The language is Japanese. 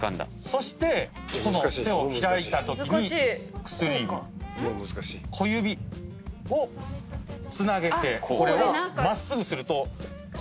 そして手を開いたときに薬指小指をつなげてこれを真っすぐすると。